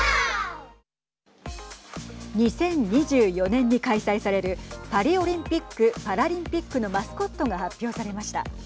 ２０２４年に開催されるパリオリンピック・パラリンピックのマスコットが発表されました。